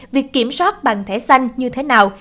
việc kiểm soát bằng thẻ xanh như thế nào